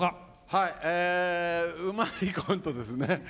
うまいコントですね。